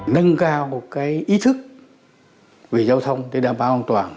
nâng cao một cái ý thức về giao thông để đảm bảo an toàn